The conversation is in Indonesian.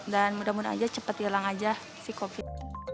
dan mudah mudahan aja cepat hilang aja si covid